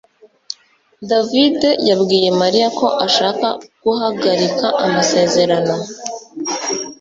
davide yabwiye mariya ko ashaka guhagarika amasezerano